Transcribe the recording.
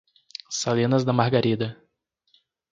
Salinas da Margarida